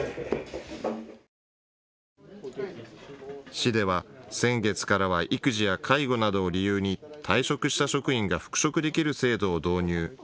市では、先月からは育児や介護などを理由に退職した職員が復職できる制度を導入。